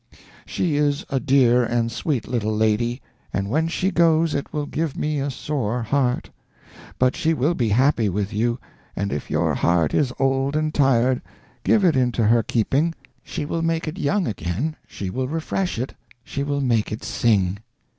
She is a dear and sweet little lady, and when she goes it will give me a sore heart. But she will be happy with you, and if your heart is old and tired, give it into her keeping; she will make it young again, she will refresh it, she will make it sing.